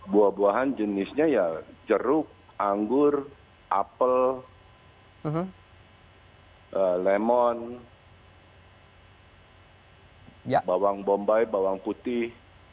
buah buahan jenisnya ya jeruk anggur apel lemon bawang bombay bawang putih